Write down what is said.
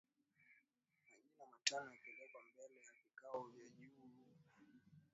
Majina matano yakapelekwa mbele ya vikao vya juu vya chama hicho kwa maamuzi